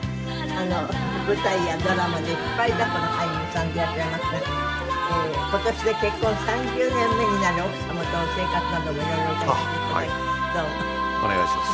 舞台やドラマで引っ張りだこの俳優さんでいらっしゃいますが今年で結婚３０年目になる奥様との生活なども色々伺わせて頂きます。